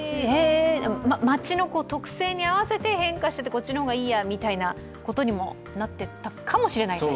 街の特性に合わせて変化していってこっちの方がいいやみたいなことにもなっていったのかもしれない。